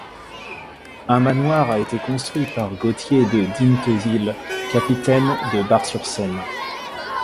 Un manoir a été construit par Gauthier de Dinnteville, capitaine de Bar-sur-Seine.